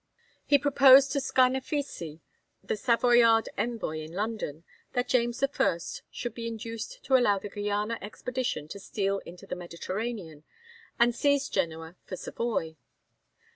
He proposed to Scarnafissi, the Savoyard envoy in London, that James I. should be induced to allow the Guiana expedition to steal into the Mediterranean, and seize Genoa for Savoy.